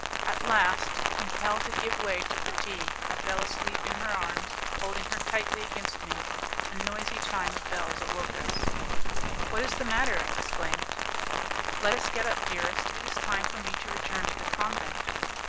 At last, compelled to give way to fatigue, I fell asleep in her arms, holding her tightly, against me. A noisy chime of bells woke us. "What is the matter?" I exclaimed. "Let us get up, dearest; it is time for me to return to the convent."